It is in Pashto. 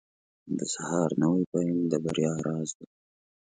• د سهار نوی پیل د بریا راز دی.